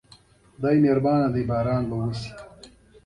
د بونیس ایرس پرېښودل د اروپایانو استعماري منطق په ډاګه کوي.